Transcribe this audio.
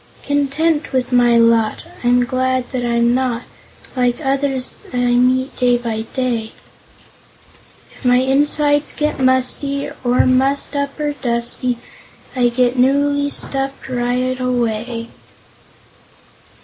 "Content with my lot, I'm glad that I'm not Like others I meet day by day; If my insides get musty, Or mussed up, or dusty, I get newly stuffed right away."